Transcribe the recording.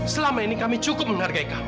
selama ini kami cukup menghargai kamu